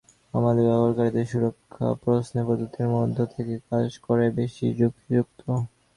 আমাদের ব্যবহারকারীদের সুরক্ষা প্রশ্নে পদ্ধতির মধ্যে থেকে কাজ করাই বেশি যুক্তিযুক্ত।